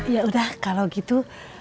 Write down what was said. ya udah kalau gitu